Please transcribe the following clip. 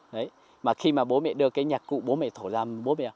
đấy mà khi mà bố mẹ đưa cái nhạc cụ bố mẹ thổi ra bố mẹ học